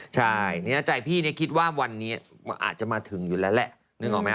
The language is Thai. ใช่ในใจพี่เนี่ยคิดว่าวันนี้อาจจะมาถึงอยู่แล้วละ